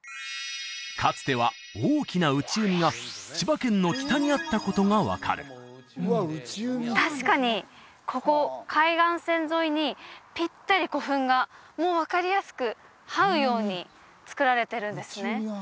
かつては大きな内海が千葉県の北にあったことが分かる確かにここ海岸線沿いにピッタリ古墳がもう分かりやすくはうようにつくられてるんですね